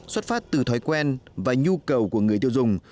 xuất phát từ thói quen và nhu cầu của người tiêu dùng